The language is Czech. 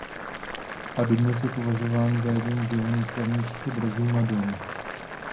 A dodnes je považován za jeden z jeho nejslavnějších obrazů Madon.